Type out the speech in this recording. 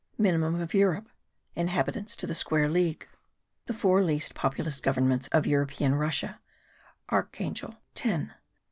MINIMUM OF EUROPE: INHABITANTS TO THE SQUARE LEAGUE. The four least populous Governments of European Russia: Archangel : 10.